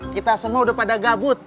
kita semua udah pada gabut